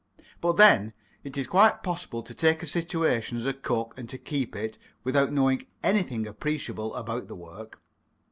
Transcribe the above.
But then, it is quite possible to take a situation as a cook, and to keep it, without knowing anything appreciable about the work.